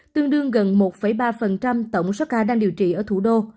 tương đương gần một ba tổng số ca đang điều trị ở thủ đô